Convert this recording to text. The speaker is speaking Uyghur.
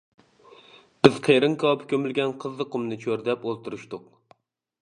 بىز قېرىن كاۋىپى كۆمۈلگەن قىزىق قۇمنى چۆرىدەپ ئولتۇرۇشتۇق.